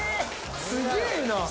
すげぇな！